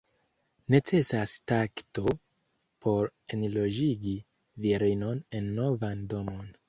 Necesas takto por enloĝigi virinon en novan domon.